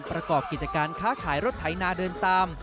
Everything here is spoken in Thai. ประกอบกิจการค้าขายรถไถนาเดินตาม